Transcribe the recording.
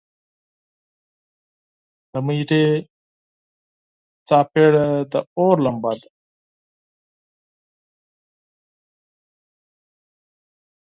د میرې څپیړه د اور لمبه ده.